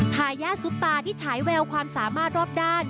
ทายาทซุปตาที่ฉายแววความสามารถรอบด้าน